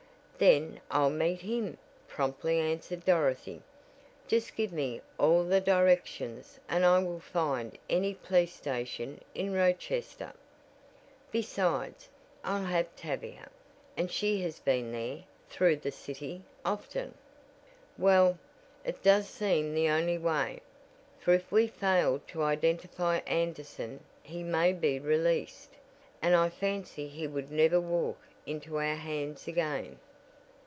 "Then I'll meet him," promptly answered Dorothy. "Just give me all the directions and I will find any police station in Rochester. Besides, I'll have Tavia, and she has been there through the city often." "Well, it does seem the only way, for if we fail to identify Anderson he may be released, and I fancy he would never walk into our hands again."